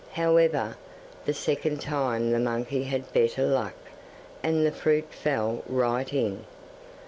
However, the second time the monkey had better luck, and the fruit fell right in.